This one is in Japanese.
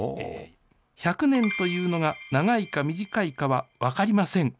１００年というのが長いか短いかは分かりません。